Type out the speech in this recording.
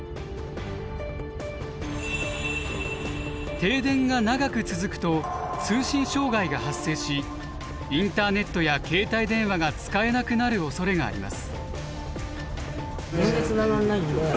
停電が長く続くと通信障害が発生しインターネットや携帯電話が使えなくなるおそれがあります。